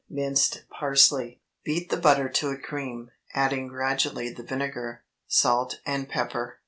Minced parsley. Beat the butter to a cream, adding gradually the vinegar, salt, and pepper.